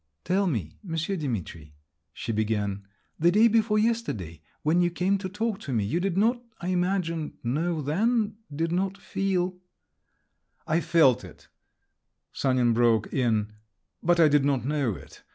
"Tell me, Monsieur Dimitri," she began; "the day before yesterday, when you came to talk to me, you did not, I imagine, know then … did not feel …" "I felt it," Sanin broke in; "but I did not know it.